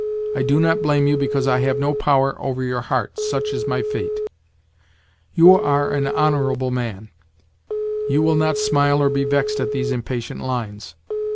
I do not blame you because I have no power over your heart, such is my fate !' You are an honourable man. You will not smile or be vexed at these impatient lines.